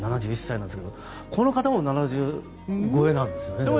７１歳なんですけどこの方も７０歳超えなんですね。